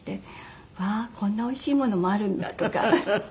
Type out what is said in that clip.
「ああこんなおいしいものもあるんだ」とか。